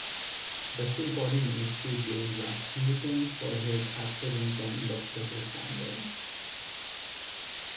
Russian Foreign Ministry blamed Rasmussen for his active employment of double standards.